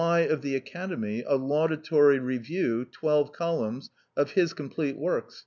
Y , of the Academy, a laudatory review (twelve columns) of his complete works.